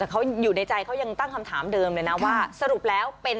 แต่เขาอยู่ในใจเขายังตั้งคำถามเดิมเลยนะว่าสรุปแล้วเป็น